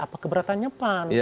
apa keberatannya pan